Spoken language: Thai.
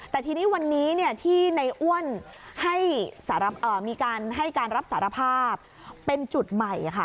แต่ทีนี้วันนี้ที่นายอ้วนให้การรับสารภาพเป็นจุดใหม่ค่ะ